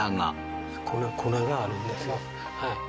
粉があるんですよ。